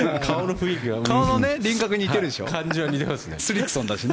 顔の輪郭似てるでしょ。